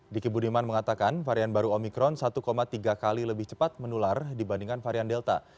diki budiman mengatakan varian baru omikron satu tiga kali lebih cepat menular dibandingkan varian delta